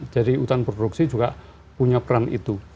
jadi hutan produksi juga punya peran itu